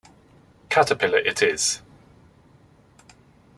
Caterpillar it is.